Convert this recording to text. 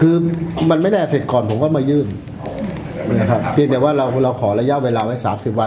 คือมันไม่ได้เสร็จก่อนผมก็มายื่นนะครับเพียงแต่ว่าเราเราขอระยะเวลาไว้สามสิบวัน